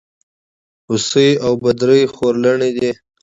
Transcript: هوسۍ او بدرۍ خورلڼي دي.